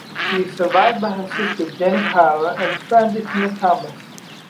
She is survived by her sister Jenny Carr and friend Tina Thomas.